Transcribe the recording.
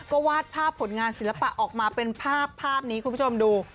ก็วาดภาพผลงานศิลปะออกมาเป็นภาพภาพนี้คุณผู้ชมดู